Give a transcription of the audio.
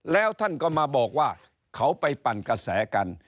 แล้วท่านก็มาบอกว่าเขาไปปั่นกระแสกัน